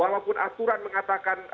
walaupun aturan mengatakan